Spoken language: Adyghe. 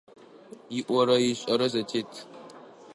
ИIорэ ишIэрэ зэтет.